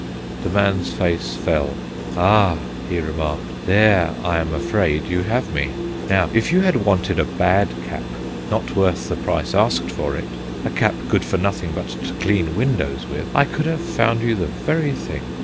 The man's face fell. "Ah," he remarked, "there, I am afraid, you have me. Now, if you had wanted a bad cap, not worth the price asked for it; a cap good for nothing but to clean windows with, I could have found you the very thing.